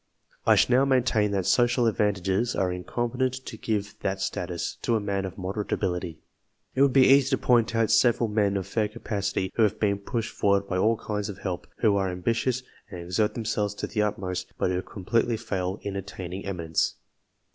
I shall now maintain that | social advantages are incompetent to give that status to a man of moderate ability. It would be easy to point out several men of fair capacity, who have been pushed forward by all kinds of help, who are ambitious, and exert themselves to the utmost, but who completely fail in TWO CLASSIFICATIONS 39 attaining eminence.